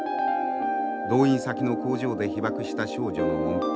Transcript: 動員先の工場で被爆した少女のモンペ。